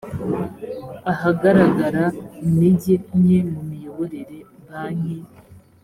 ahagaragara intege nke mu miyoborere banki